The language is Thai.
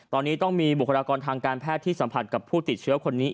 ตอนนี้ต้องมีบุคลากรทางการแพทย์ที่สัมผัสกับผู้ติดเชื้อคนนี้